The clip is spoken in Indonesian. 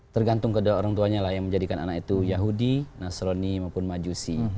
tergantung kepada orang tuanya lah yang menjadikan anak itu yahudi nasroni maupun majusi